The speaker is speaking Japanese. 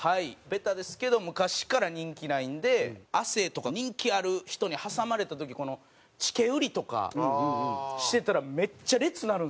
ベタですけど昔から人気ないんで亜生とか人気ある人に挟まれた時チケ売りとかしてたらめっちゃ列なるんですよ。